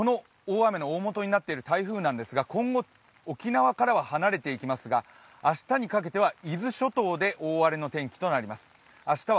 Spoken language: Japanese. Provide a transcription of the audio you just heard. この大雨の大元になっている台風ですが今後、沖縄からは離れていきますが明日にかけては伊豆諸島で大荒れの天気となります。